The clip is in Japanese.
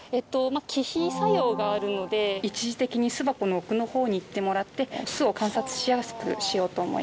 まぁ忌避作用があるので一時的に巣箱の奥のほうに行ってもらって巣を観察しやすくしようと思います。